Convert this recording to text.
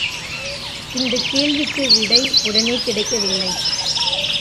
இந்தக் கேள்விக்கு விடை உடனே கிடைக்கவில்லை.